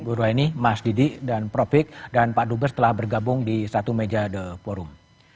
ibu roini mas didi dan profik dan pak dubes telah bergabung di satu meja the forum